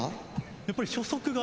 やっぱり初速が。